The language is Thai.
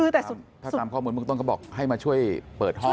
ถ้าทำข้อมูลมึงต้องก็บอกให้มาช่วยเปิดห้อง